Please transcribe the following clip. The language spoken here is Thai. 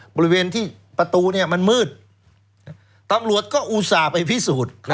บริเวณที่ประตูมันมืดตำรวจก็อุตส่าห์ไปพิสูจน์